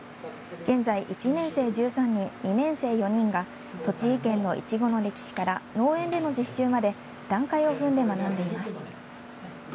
現在１年生１３人、２年生４人が栃木県のいちごの歴史から農園での実習まで段階を踏んで学んでいます。